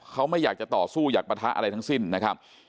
เขาไม่อยากจะต่อสู้อยากปะทะอะไรทั้งสิ้นนะครับ